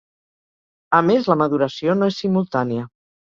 A més la maduració no és simultània.